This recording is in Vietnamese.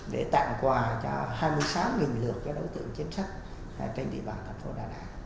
để tặng quà cho hai mươi sáu lượt đối tượng chính sách trên địa bàn thành phố đà nẵng